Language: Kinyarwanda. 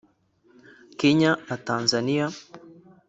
Kenya na Tanzaniya